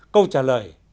câu trả lời